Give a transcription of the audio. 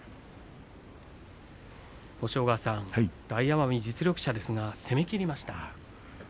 大奄美、実力者ですが攻めきりました。